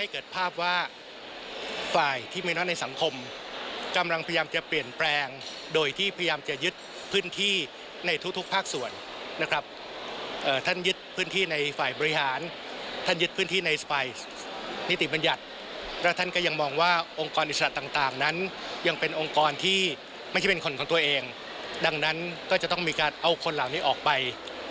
ก็จะต้องมีการเอาคนหลังนี้ออกไป